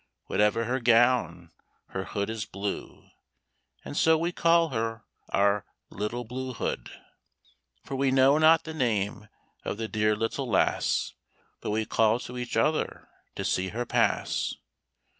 Whatever her gown, her hood is blue, And so we call her our "Little Blue Hood," For we know not the name of the dear little lass, But we call to each other to see her pass.